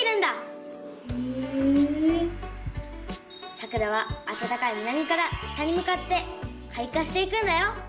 さくらはあたたかい南から北にむかってかい花していくんだよ。